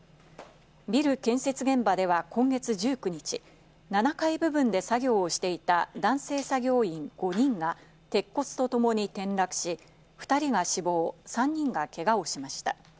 ビル建設現場では今月１９日、７階部分で作業をしていた男性作業員５人が鉄骨と共に転落し、２人が死亡、３人がけがをしました。